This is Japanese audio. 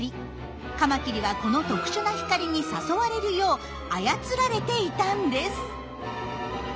カマキリはこの特殊な光に誘われるよう操られていたんです。